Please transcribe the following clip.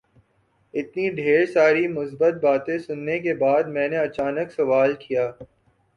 اتنی ڈھیر ساری مثبت باتیں سننے کے بعد میں نے اچانک سوال کیا